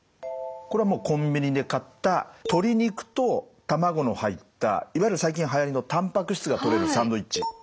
これはコンビニで買った鶏肉とたまごの入ったいわゆる最近はやりのたんぱく質がとれるサンドウイッチ。